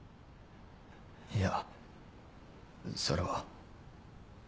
いやそれは。